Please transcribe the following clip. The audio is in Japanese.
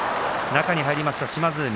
中に入りました島津海。